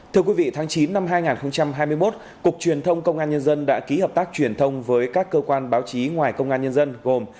thưa quý vị tháng chín năm hai nghìn hai mươi một cục truyền thông công an nhân dân đã ký hợp tác truyền thông với các cơ quan báo chí ngoài công an nhân dân gồm